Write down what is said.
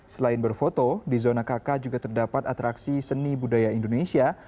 selain berfoto di zona kk juga terdapat atraksi seni budaya indonesia